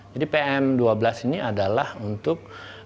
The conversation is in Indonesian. jadi pm dua belas ini adalah untuk